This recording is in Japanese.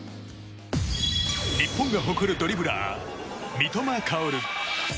日本が誇るドリブラー三笘薫。